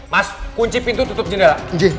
mas kunci pintu tutup jendela